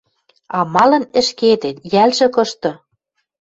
А малын ӹшкетет? Йӓлжӹ кышты?